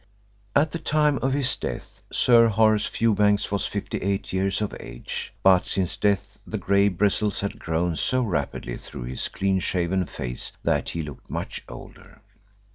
At the time of his death Sir Horace Fewbanks was 58 years of age, but since death the grey bristles had grown so rapidly through his clean shaven face that he looked much older.